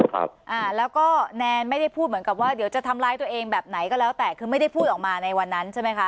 ครับอ่าแล้วก็แนนไม่ได้พูดเหมือนกับว่าเดี๋ยวจะทำร้ายตัวเองแบบไหนก็แล้วแต่คือไม่ได้พูดออกมาในวันนั้นใช่ไหมคะ